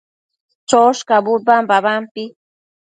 choshcabud babampi